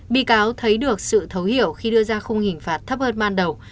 bị cáo thấy được sự thấu hiểu khi đưa ra khung hình phạt thấp hơn ban đầu